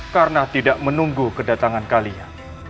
karena tidak menunggu kedatangan kalian